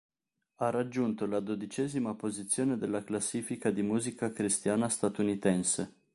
Ha raggiunto la dodicesima posizione della classifica di musica cristiana statunitense.